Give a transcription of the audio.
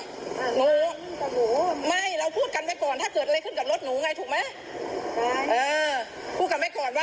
ถ้าเกิดอะไรขึ้นกับรถหนูไงถูกไหมเออพูดกันไว้ก่อนว่าเขาอะพูดหมายไว้นะ